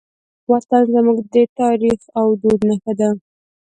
وطن زموږ د تاریخ او دود نښه ده.